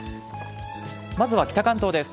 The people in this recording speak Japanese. まずは北関東です。